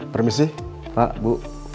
permisi pak bu